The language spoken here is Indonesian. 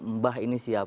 mbah ini siap